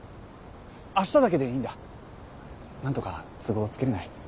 明日だけでいいんだ何とか都合つけれない？